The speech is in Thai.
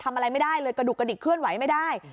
ทำอะไรไม่ได้เลยกระดูกกระดิกเคลื่อนไหวไม่ได้